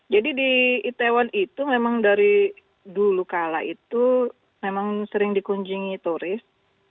jadi di itaewon itu memang dari dulu kala itu memang sering dikunjungi turis